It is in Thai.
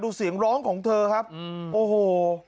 เสียงร้องของเธอครับโอ้โห